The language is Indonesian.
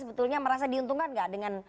sebetulnya merasa diuntungkan nggak dengan